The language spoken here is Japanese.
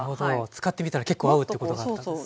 使ってみたら結構合うってことだったんですね。